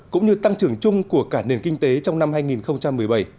cũng như tăng trưởng chung của cả nền kinh tế trong năm hai nghìn một mươi bảy